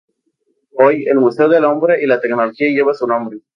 Hoy, el Museo del Hombre y la Tecnología lleva su nombre.